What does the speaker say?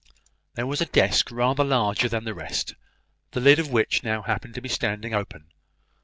There was a desk rather larger than the rest, the lid of which now happened to be standing open.